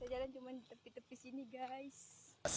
jalan cuma di tepi tepi sini guys